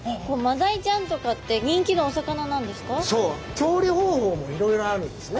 調理方法もいろいろあるんですね。